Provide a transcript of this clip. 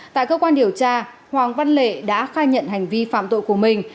tại cơ quan điều tra hoàng văn lệ đã khai nhận hành vi phạm tội của mình